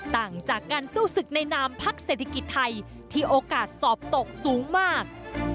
ต่างจากการสู้ศึกในนามพักเศรษฐกิจไทยที่โอกาสสอบตกสูงมาก